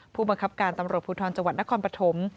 ผู้บังคับการตำรวจภูทรจังหวัดนครปฐม